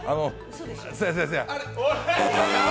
せやせや。